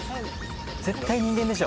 絶対人間でしょ。